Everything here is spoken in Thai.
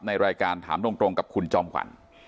ในรายการถามตรงกับคุณจอมขวัญ